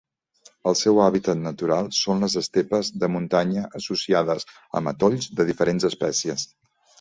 El seu hàbitat natural són les estepes de muntanya associades a matolls de diferents espècies.